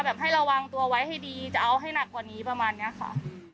ให้ระวังตัวไว้ให้ดีจะเอาให้หนักกว่านี้ประมาณนี้ค่ะ